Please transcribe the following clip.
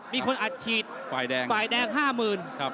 มีคนอัดฉีดฝ่ายแดง๕๐๐๐๐ต่อ